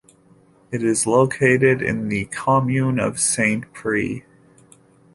It is located in the commune of Saint-Prix.